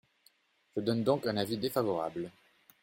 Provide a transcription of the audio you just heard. Je donne donc un avis défavorable.